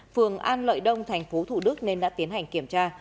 phường an lợi đông tp thủ đức nên đã tiến hành kiểm tra